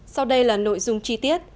sau đây là nội dung chi tiết